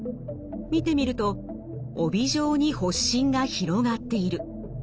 見てみると帯状に発疹が広がっている。